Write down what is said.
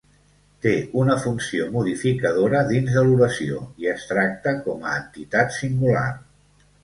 Té una funció modificadora dins de l'oració, i es tracta com a entitat singular.